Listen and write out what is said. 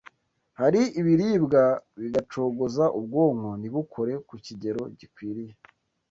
hari ibiribwa bigacogoza ubwonko ntibukore kukigero gikwiriye